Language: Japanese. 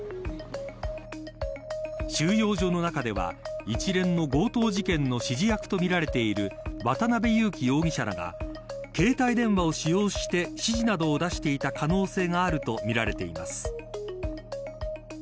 収容所の中では一連の強盗事件の指示役とみられている渡辺優樹容疑者らが携帯電話を使用して指示などを出していた可能性があるとみられています。